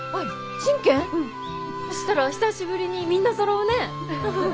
そしたら久しぶりにみんなそろうね！